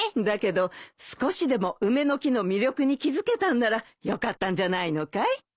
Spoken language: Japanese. だけど少しでも梅の木の魅力に気付けたんならよかったんじゃないのかい？